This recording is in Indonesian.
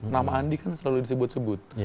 nama andi kan selalu disebut sebut